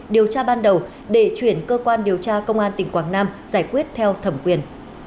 điều tra ban đầu để chuyển cơ quan điều tra công an tỉnh quảng nam giải quyết theo thẩm quyền